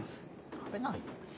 食べないよ。